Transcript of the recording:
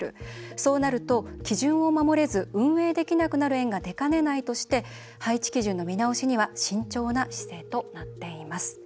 そうなると、基準を守れず運営できなくなる園が出かねないとして配置基準の見直しには慎重な姿勢となっています。